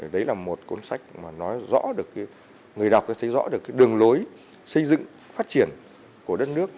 đấy là một cuốn sách mà nói rõ được người đọc thấy rõ được đường lối xây dựng phát triển của đất nước